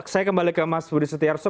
saya kembali ke mas budi setiarso